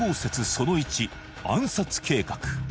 その１暗殺計画